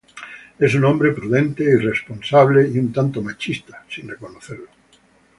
Es un hombre prudente, responsable y un tanto machista, sin reconocerlo.